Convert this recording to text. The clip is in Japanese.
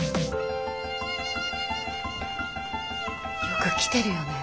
よく来てるよね